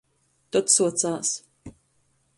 Tod suocās.